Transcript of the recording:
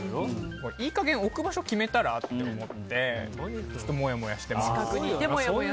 いい加減置く場所決めたら？って思ってちょっと、もやもやしてます。